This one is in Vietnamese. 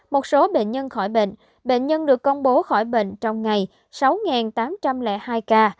một số bệnh nhân khỏi bệnh bệnh nhân được công bố khỏi bệnh trong ngày sáu tám trăm linh hai ca